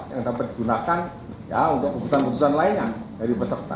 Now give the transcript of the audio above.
yang dapat digunakan untuk keputusan keputusan lainnya dari peserta